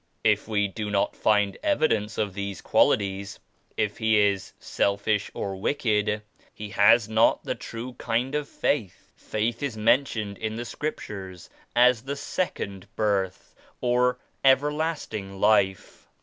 69 If we do not find evidence of these qualities; if he is selfish or wicked, he has not the true kind of Faith. Faith is mentioned in the Scriptures as the 'Second Birth' or 'Everlasting Life.'